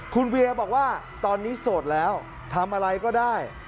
คุณเวียบอกว่าตอนนี้โสดแล้วทำอะไรก็ได้